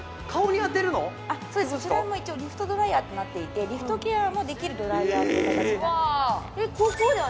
そうですそちらも一応リフトドライヤーとなっていてリフトケアもできるドライヤーって形になってます